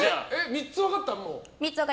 ３つ分かった？